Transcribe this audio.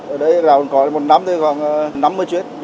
ở đây ra cồn cỏ là một năm thôi khoảng năm mới truyết